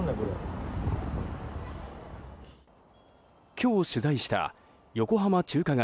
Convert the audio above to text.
今日取材した横浜中華街